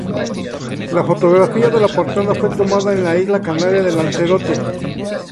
La fotografía de la portada fue tomada en la isla canaria de Lanzarote.